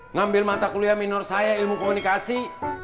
ngambil mata kuliah minor saya ilmu komunikasi